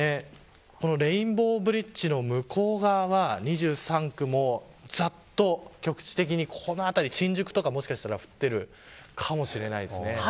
レインボーブリッジの向こう側ざっと局地的に新宿とか、もしかしたら降っているかもしれないですね。